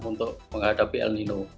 untuk menghadapi el nino